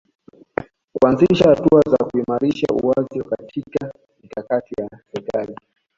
Kuanzisha hatua za kuimarisha uwazi wa katika mikakati ya serikali